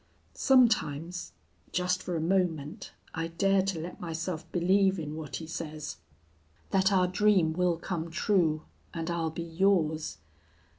Sometimes, just for a moment, I dare to let myself believe in what he says that our dream will come true and I'll be yours.